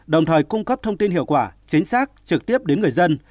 đồng thời cung cấp thông tin hiệu quả chính xác trực tiếp đến người dân